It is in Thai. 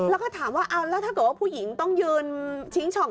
แล้วก็ถามว่าถ้าเกิดว่าผู้หญิงต้องยืนชิงช่อง